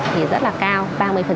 thì rất là cao ba mươi